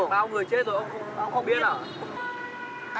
bao người chết rồi ông không biết hả